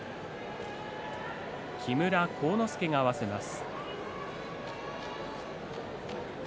木村晃之助が合わせます。